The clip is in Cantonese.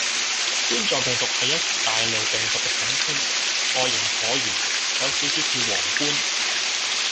冠狀病毒係一大類病毒嘅統稱，外形橢圓，有少少似王冠